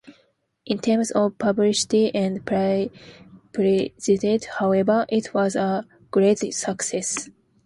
In terms of publicity and prestige however, it was a great success.